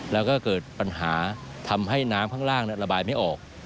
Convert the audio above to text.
แล้วก็เกิดปัญหาทำให้น้ำข้างล่างระบายไม่ออก